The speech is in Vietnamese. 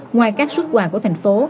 ngoài các suất quà của thành phố